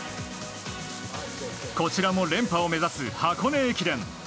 こちらも連覇を目指す箱根駅伝。